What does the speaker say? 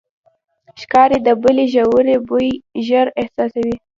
ښکاري د بلې ژوي بوی ژر احساسوي.